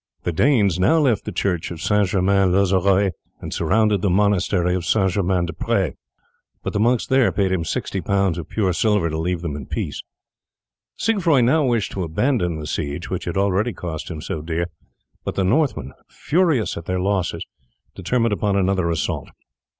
The Danes now left the church of St. Germain L'Auxerrois and surrounded the monastery of St. Germain des Pres, but the monks there paid him sixty pounds of pure silver to leave them in peace. Siegfroi now wished to abandon the siege which had already cost him so dear, but the Northmen, furious at their losses, determined upon another assault.